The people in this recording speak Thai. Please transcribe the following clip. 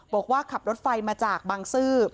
บอกว่าขับรถไฟมาจากบางซื่อ